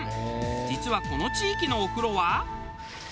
実はこの地域のお風呂は。